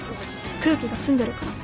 空気が澄んでるから。